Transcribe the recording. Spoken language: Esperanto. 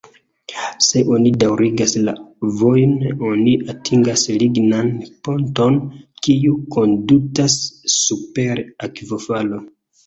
Se oni daŭrigas la vojon oni atingas lignan ponton, kiu kondutas super akvofalo.